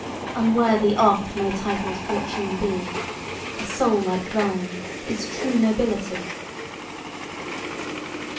Unworthy oft may titled fortune be; A soul like thine is true Nobility!